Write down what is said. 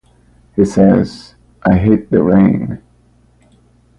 He says, I hate the rain.